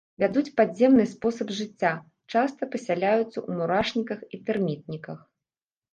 Вядуць падземны спосаб жыцця, часта пасяляюцца ў мурашніках і тэрмітніках.